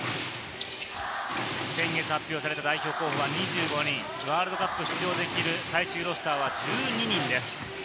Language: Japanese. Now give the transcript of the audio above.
先月発表された代表候補は２５人、ワールドカップに出場できる最終ロースターは１２人です。